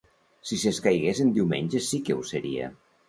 Si s’escaigués en diumenge sí que ho seria.